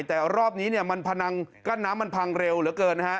แต่รอบนี้เนี่ยมันพนังกั้นน้ำมันพังเร็วเหลือเกินนะฮะ